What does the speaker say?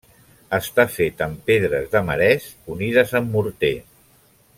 Està fet amb pedres de marès unides amb morter.